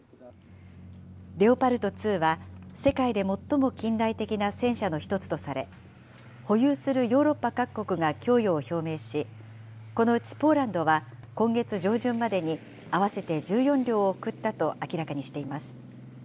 レオパルト２は、世界で最も近代的な戦車のひとつとされ、保有するヨーロッパ各国が供与を表明し、このうちポーランドは今月上旬までに合わせて１４両を送ったと明らかにしています。